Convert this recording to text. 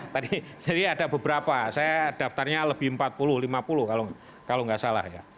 tadi ada beberapa saya daftarnya lebih empat puluh lima puluh kalau tidak salah